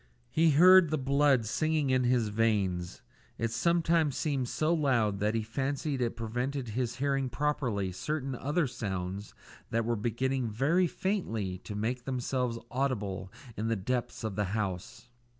He heard the blood singing in his veins. It sometimes seemed so loud that he fancied it prevented his hearing properly certain other sounds that were beginning very faintly to make themselves audible in the depths of the house.